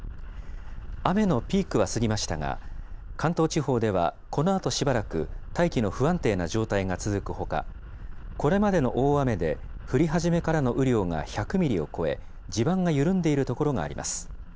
雨のピークは過ぎましたが、関東地方ではこのあとしばらく、大気の不安定な状態が続くほか、これまでの大雨で降り始めからの雨量が１００ミリを超え、地盤が緩んでいる所があります。